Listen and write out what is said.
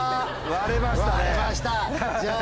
割れました。